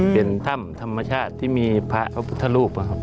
เป็นถ้ำธรรมชาติที่มีพระพระพุทธรูป